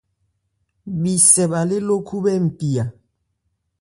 Bhísɛ bhâ lé ló khúbhɛ́ npi a.